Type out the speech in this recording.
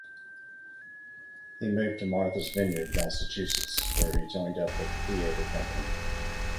He moved to Martha's Vineyard, Massachusetts, where he joined up with a theatre company.